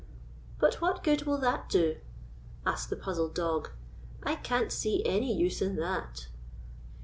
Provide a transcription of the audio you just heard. "But what good will that do?" asked the puzzled dog. " I can't see any use in that."